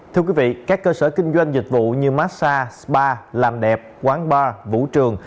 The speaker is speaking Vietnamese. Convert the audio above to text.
thưa quý vị các cơ sở kinh doanh dịch vụ như massag spa làm đẹp quán bar vũ trường